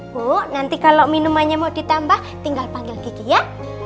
bu nanti kalau minumannya mau ditambah tinggal panggil gigi ya